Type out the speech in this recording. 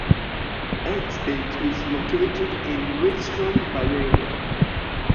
Ansbach is located in western Bavaria.